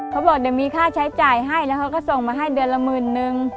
เขาบอกเดี๋ยวมีค่าใช้จ่ายให้แล้วเขาก็ส่งมาให้เดือนละหมื่นนึง